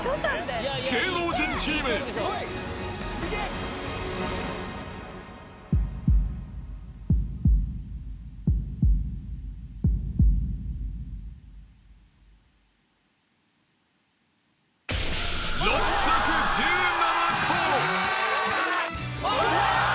芸能人チーム、６１７個。